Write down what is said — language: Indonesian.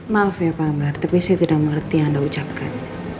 maaf ya pak ambar tapi saya tidak mengerti yang anda ucapkan